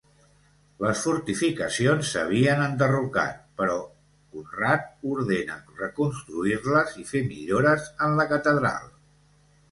Les fortificacions s'havien enderrocat, però Conrad ordenà reconstruir-les i fer millores en la catedral.